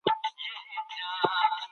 له بدو خبرونو ځان ساتل مهم دي.